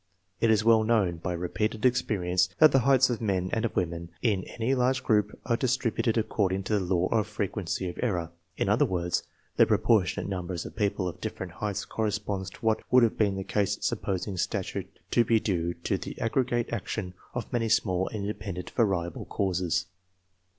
It is well known, by repeated experience, that the heights of men and of women in any large group are distributed according to the " law of frequency of error." In other words, the propor tionate number of people of diflferent heights corresponds to what would have been the case supposing stature to be due to the aggregate action of many small and independent variable causes.